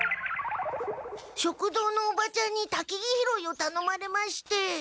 食堂のおばちゃんにたきぎ拾いをたのまれまして。